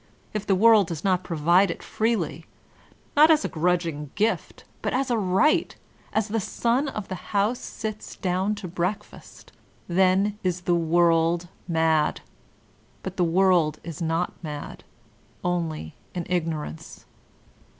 If the world does not provide it freely — ^not as a grudging gift, but as a right, as the son of the house sits down to breakfast, — ^then is the world mad. But the world is not mad, only in ignorance."